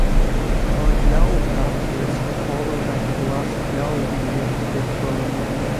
A Yell Practice follows after the last Yell Leader has been thrown in.